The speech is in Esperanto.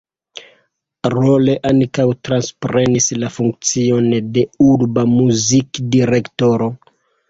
Rolle ankaŭ transprenis la funkcion de urba muzikdirektoro.